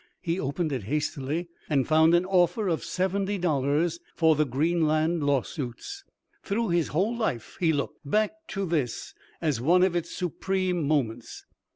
He opened it hastily, and found an offer of seventy dollars for the "Greenland Lawsuits." Through his whole life he looked back to this as one of its supreme moments.